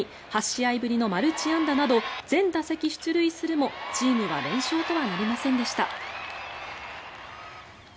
８試合ぶりのマルチ安打など全打席出塁するもチームは連勝とはなりませんでした。